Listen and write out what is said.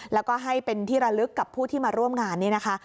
แล้วก็ให้เป็นที่ระลึกกับผู้ที่มาร่วมงานนี่นะคะ